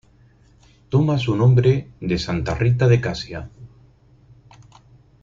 Toma su nombre de Santa Rita de Casia.